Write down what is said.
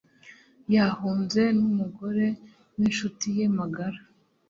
Yahunze n'umugore w'incuti ye magara